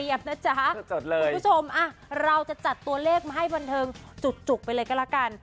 จ๊ะคุณผู้ชมเราจะจัดตัวเลขมาให้บันเทิงจุกไปเลยก็แล้วกัน